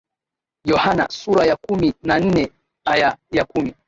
Yohana sura ya kumi na nne aya ya kumi